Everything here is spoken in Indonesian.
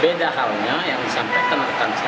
beda halnya yang sampai ke rekan rekan saya